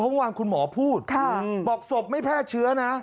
เมื่อวานคุณหมอพูดบอกศพไม่แพร่เชื้อนะ